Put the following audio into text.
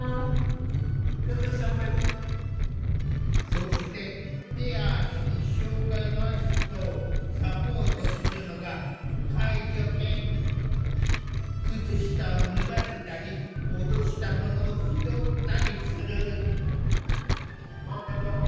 そして手や足に障害のある人をサポートするのが靴下を脱がせたり落としたものを拾ったりする。